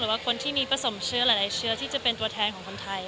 ว่าคนที่มีผสมเชื้อหลายเชื้อที่จะเป็นตัวแทนของคนไทย